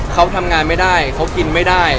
เขาทำงานไม่ได้เขากินไม่ได้